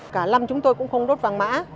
cả lâm chúng tôi cũng không đốt vàng mã